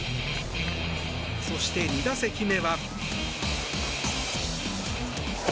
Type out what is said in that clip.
そして、２打席目は。